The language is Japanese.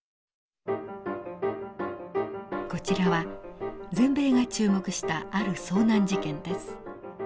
こちらは全米が注目したある遭難事件です。